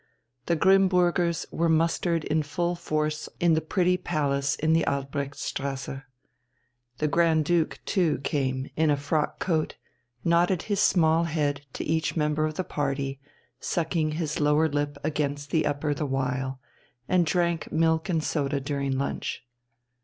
The Grimmburgers were mustered in full force in the pretty palace in the Albrechtstrasse. The Grand Duke too came, in a frock coat, nodded his small head to each member of the party, sucking his lower lip against his upper the while, and drank milk and soda during lunch.